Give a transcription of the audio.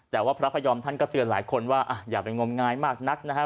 แต่ว่าพระพยอมท่านก็เตือนหลายคนว่าอย่าไปงมงายมากนักนะฮะ